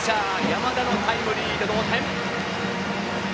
山田のタイムリーで同点。